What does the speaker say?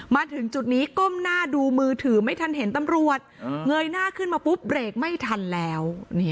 มาถึงจุดนี้ก้มหน้าดูมือถือไม่ทันเห็นตำรวจเงยหน้าขึ้นมาปุ๊บเบรกไม่ทันแล้ว